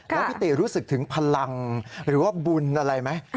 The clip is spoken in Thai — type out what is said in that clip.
แล้วพี่ติรู้สึกถึงพลังหรือว่าบุญอะไรไหม